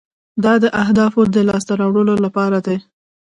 دا د اهدافو د لاسته راوړلو لپاره دی.